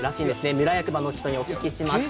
村役場の人にお聞きしました。